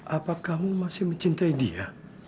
apa kamu masih mencintai dia